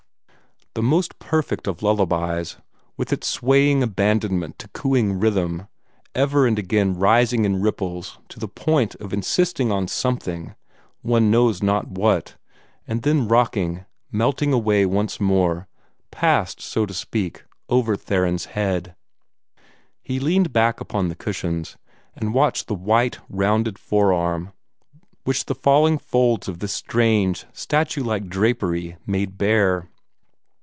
The most perfect of lullabies, with its swaying abandonment to cooing rhythm, ever and again rising in ripples to the point of insisting on something, one knows not what, and then rocking, melting away once more, passed, so to speak, over Theron's head. He leaned back upon the cushions, and watched the white, rounded forearm which the falling folds of this strange, statue like drapery made bare.